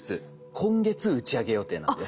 今月打ち上げ予定なんです。